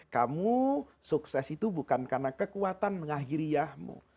kamu sukses itu bukan karena kekuatan mengakhiriahmu